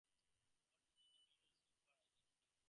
For this reason it is treated as two separate islands below.